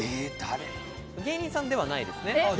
芸人さんではないですね。